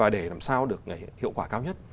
để làm sao hiệu quả cao nhất